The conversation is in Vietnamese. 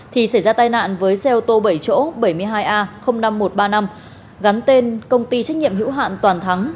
thì xảy ra tai nạn với xe ô tô bảy chỗ bảy mươi hai a năm nghìn một trăm ba mươi năm gắn tên công ty trách nhiệm hữu hạn toàn thắng